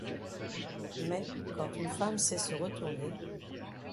Mais quand une femme sait se retourner.